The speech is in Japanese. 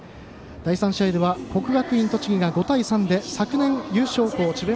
第３試合は国学院栃木が５対３で昨年優勝校の智弁